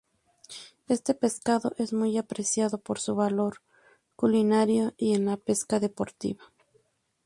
Este pescado es muy apreciado por su valor culinario y en la pesca deportiva.